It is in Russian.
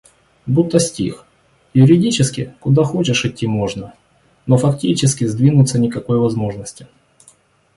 Будто стих. Юридически — куда хочешь идти можно, но фактически — сдвинуться никакой возможности.